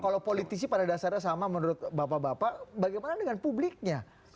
kalau politisi pada dasarnya sama menurut bapak bapak bagaimana dengan publiknya